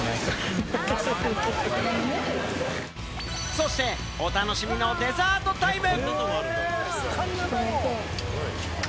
そして、お楽しみのデザートタイム。